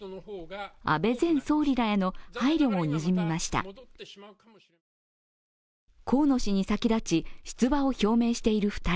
安倍前総理らへの配慮もにじみました。